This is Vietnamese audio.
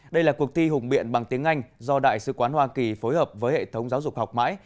đây là cuộc thi hùng biện bằng tiếng anh do đại sứ quán hoa kỳ phối hợp với hệ thống giáo dục học mãi